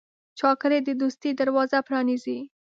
چاکلېټ د دوستۍ دروازه پرانیزي.